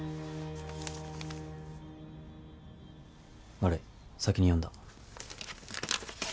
悪い先に読んだ。